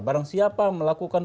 barang siapa melakukan